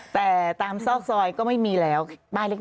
แต่ตามซอกซอยก็ไม่มีแล้วบ้านเล็ก